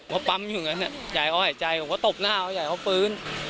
เขาปั๊มอยู่นั่นใหญ่เขาหายใจเขาก็ตบหน้าฝึน